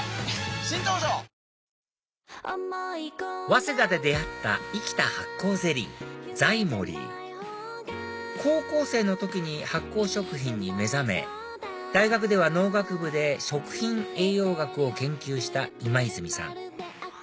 早稲田で出会った生きた発酵ゼリーＺｙｍｏｌｌｙ高校生の時に発酵食品に目覚め大学では農学部で食品栄養学を研究した今泉さん